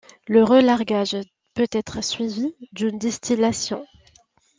Le relargage peut être suivi d'une distillation.